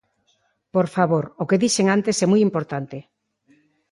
¡Por favor, o que dixen antes é moi importante.